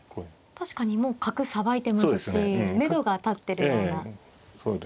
確かにもう角さばいてますしめどが立ってるような。